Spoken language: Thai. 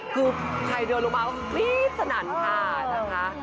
คือใครเดินลงมาสนั่นค่ะนะคะ